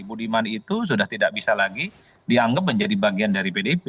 budiman itu sudah tidak bisa lagi dianggap menjadi bagian dari pdip